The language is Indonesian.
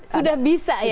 sudah bisa ya gitu